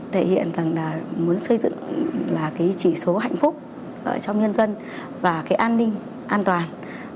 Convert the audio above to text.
thể hiện rằng muốn xây dựng chỉ số hạnh phúc trong nhân dân và an ninh an toàn